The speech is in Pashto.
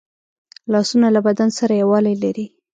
لاسونه له بدن سره یووالی لري